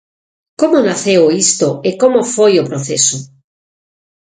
Como naceu isto e como foi o proceso?